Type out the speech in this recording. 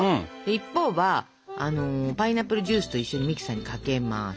一方はあのパイナップルジュースと一緒にミキサーにかけます。